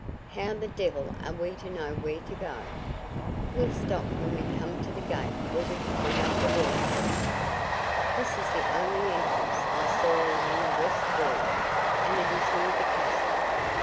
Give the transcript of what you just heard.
"How the devil are we to know where to go?" "We'll stop when we come to the gate where we climbed up the wall to day. That is the only entrance I saw along the west wall, and it is near the castle.